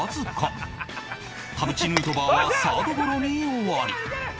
田渕ヌートバーはサードゴロに終わり